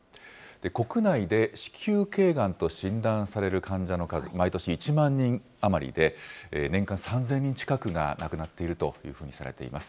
国内で子宮けいがんと診断される患者の数、毎年１万人余りで、年間３０００人近くが亡くなっているというふうにされています。